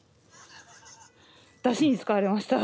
だしに使われました。